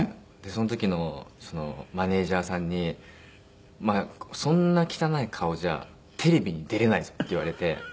その時のマネジャーさんに「お前そんな汚い顔じゃテレビに出れないぞ」って言われて。